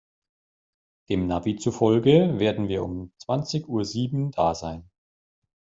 Dem Navi zufolge werden wir um zwanzig Uhr sieben da sein.